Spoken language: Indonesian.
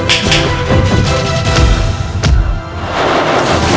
tidak ada apa apa